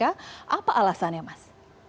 apa alasannya mas